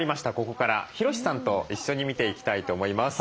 ここからヒロシさんと一緒に見ていきたいと思います。